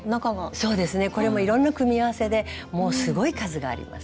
そうですねこれもいろんな組み合わせでもうすごい数があります。